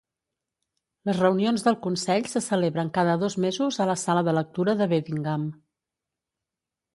Les reunions del Consell se celebren cada dos mesos a la Sala de Lectura de Beddingham.